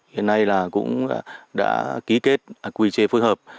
hiện nay là cũng đã ký kết quy chế phối hợp